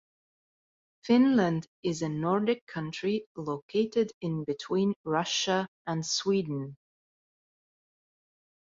Finland is a Nordic country located in between Russia and Sweden.